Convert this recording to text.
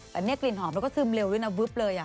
แต่นี่กลิ่นหอมแล้วก็ซึมเร็วด้วยนะวึบเลย